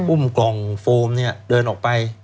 อุ้มกล่องโฟมเดินออกไป